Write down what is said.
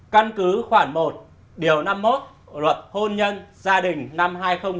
căn cứ khoảng một điều năm mươi một luật hôn nhân gia đình năm hai nghìn một mươi